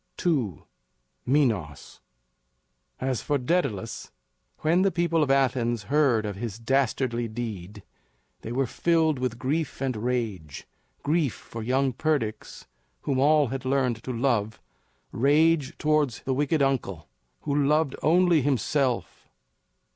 II. MINOS. As for Daedalus, when the people of Athens heard of his dastardly deed, they were filled with grief and rage grief for young Perdix, whom all had learned to love; rage towards the wicked uncle, who loved only himself.